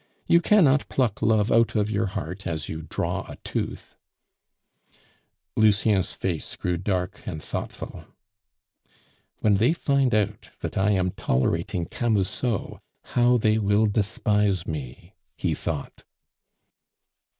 You cannot pluck love out of your heart as you draw a tooth." Lucien's face grew dark and thoughtful. "When they find out that I am tolerating Camusot, how they will despise me," he thought.